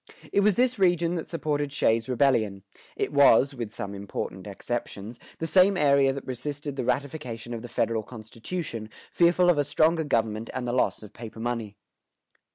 It was this region that supported Shays' Rebellion; it was (with some important exceptions) the same area that resisted the ratification of the federal constitution, fearful of a stronger government and of the loss of paper money.